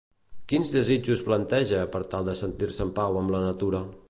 Quins desitjos planteja per tal de sentir-se en pau amb la natura?